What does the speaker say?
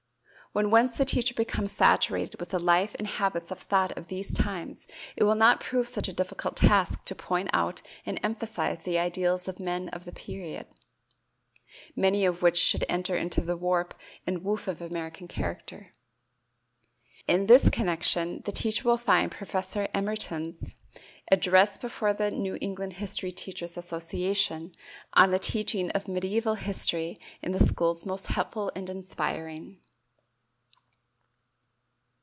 When once the teacher becomes saturated with the life and habits of thought of these times, it will not prove such a difficult task to point out and emphasize the ideals of the men of the period, many of which should enter into the warp and woof of American character. In this connection the teacher will find Professor Emerton's address before the New England History Teachers' Association on the Teaching of Mediæval History in the Schools most helpful and inspiring.